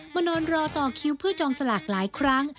นอนรอต่อคิวเพื่อจองสลากหลายครั้ง